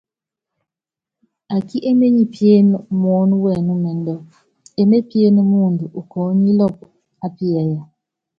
Akí éményi piéné muɔ́nɔ́wɛnúmɛndú, emépíéne muundɔ ukɔɔ́nílɔpɔ ápiyáya.